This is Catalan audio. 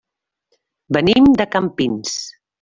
Venim de Campins.